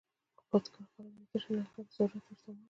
د خود کار قلم یوه تشه نلکه د ضرورت وړ سامان دی.